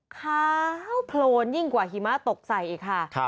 ขาวโพลนยิ่งกว่าหิมะตกใส่อีกค่ะ